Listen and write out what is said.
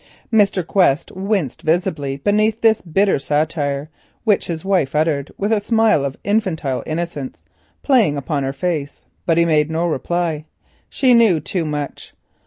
Mr. Quest winced visibly beneath this bitter satire, which his wife uttered with a smile of infantile innocence playing upon her face, but he made no reply. She knew too much.